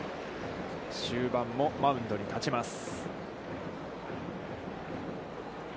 終盤も、マウンドに立ちます。